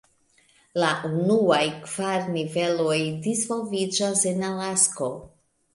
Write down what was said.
La unuaj kvar niveloj disvolviĝas en Alasko.